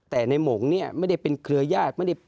แต่ในหมงเนี่ยไม่ได้เป็นเครือญาติ